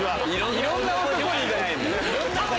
いろんな男になりたい！